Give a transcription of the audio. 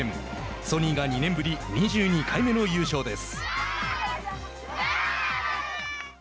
ソニーが２年ぶり２２回目の優勝です。